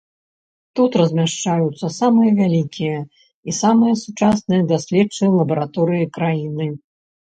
Тут размяшчаюцца самыя вялікія і самыя сучасныя даследчыя лабараторыі краіны.